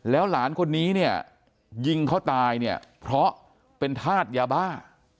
แล้วหลานคนนี้ยิงเขาตายเพราะเป็นธาตุยาบ้า